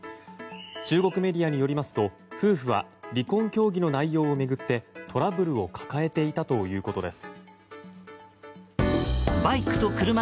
中国メディアによりますと夫婦は離婚協議の内容を巡ってトラブルを抱えていたということです。